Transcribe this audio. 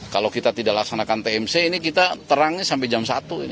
kalau kita tidak laksanakan tmc ini kita terangnya sampai jam satu